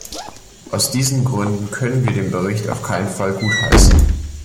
Aus diesen Gründen können wir den Bericht auf keinen Fall gutheißen.